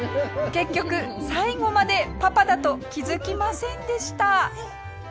結局最後までパパだと気づきませんでした。